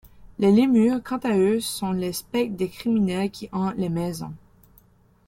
Les lémures, quant à eux, sont les spectres des criminels, qui hantent les maisons.